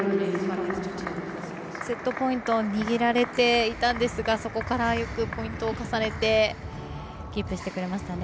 セットポイントを握られていたんですがそこからよくポイントを重ねてキープしてくれましたね。